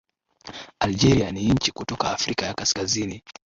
Algeria ni nchi kutoka Afrika ya Kaskazini